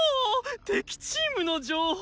敵チームの情報！